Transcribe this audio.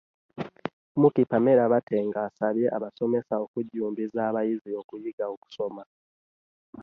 Muky Pamela Batenga asabye abasomesa okujjumbiza abayizi okuyiga okusoma